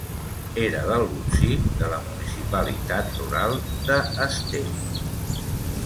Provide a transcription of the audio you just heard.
Era l'algutzir de la municipalitat rural de Ste.